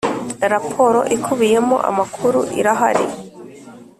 Raporo ikubiyemo amakuru irahari